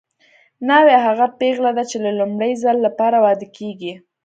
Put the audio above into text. ناوې هغه پېغله ده چې د لومړي ځل لپاره واده کیږي